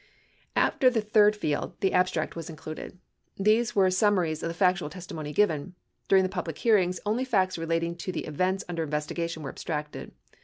After the third field, the abstract was included. These were sum maries of the factual testimony given. During the public hearings, only facts relating to the events under investigation were abstracted.